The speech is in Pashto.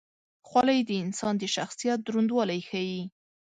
خولۍ د انسان د شخصیت دروندوالی ښيي.